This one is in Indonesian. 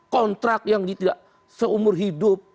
kontrak yang tidak seumur hidup